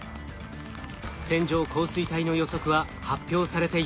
線状降水帯の予測は発表されていませんでした。